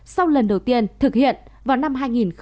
sau lần đầu tiên thực hiện vào năm hai nghìn hai mươi